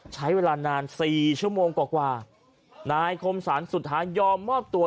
ใช้เวลานานสี่ชั่วโมงกว่ากว่านายคมสรรสุดท้ายยอมมอบตัว